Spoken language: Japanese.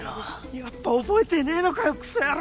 やっぱ覚えてねぇのかよクソ野郎！